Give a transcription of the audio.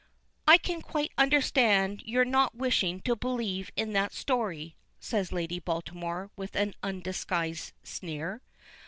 "I can quite understand your not wishing to believe in that story," says Lady Baltimore with an undisguised sneer.